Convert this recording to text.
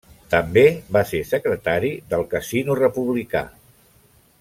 També va ser secretari del Casino Republicà.